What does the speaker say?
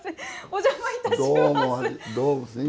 お邪魔いたします。